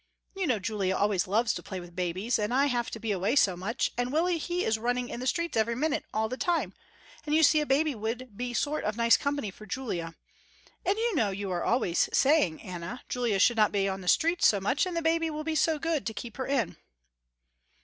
You know Julia always loves to play with babies, and I have to be away so much, and Willie he is running in the streets every minute all the time, and you see a baby would be sort of nice company for Julia, and you know you are always saying Anna, Julia should not be on the streets so much and the baby will be so good to keep her in."